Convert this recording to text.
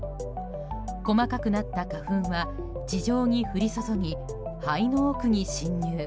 細かくなった花粉は地上に降り注ぎ肺の奥に侵入。